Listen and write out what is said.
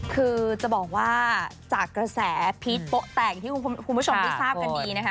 คือจะบอกว่าจากกระแสพีชโป๊ะแต่งที่คุณผู้ชมได้ทราบกันดีนะคะ